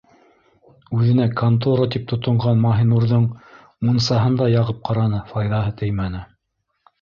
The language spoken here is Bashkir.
Үҙенә «контора» итеп тотонған Маһинурҙың мунсаһын да яғып ҡараны - файҙаһы теймәне.